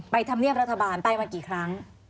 ธรรมเนียบรัฐบาลไปวันกี่ครั้ง